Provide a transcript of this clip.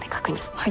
はい。